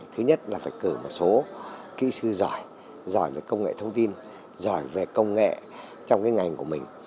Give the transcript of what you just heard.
thứ nhất là phải cử một số kỹ sư giỏi giỏi về công nghệ thông tin giỏi về công nghệ trong ngành của mình